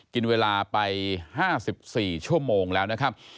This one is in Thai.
กินเวลาไป๕๔ชั่วโมงแล้วนะครับ